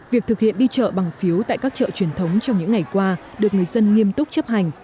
việc thực hiện đi chợ bằng phiếu tại các chợ truyền thống trong những ngày qua được người dân nghiêm túc chấp hành